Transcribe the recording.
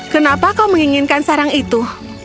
kenapa kau menginginkan sarang itu